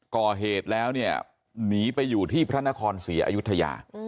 ก่อเหตุแล้วเนี่ยหนีไปอยู่ที่พระนครศรีอยุธยา